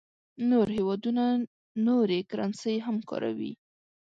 نور هېوادونه نورې کرنسۍ هم کاروي.